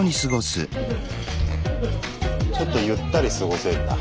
ちょっとゆったり過ごせんだ。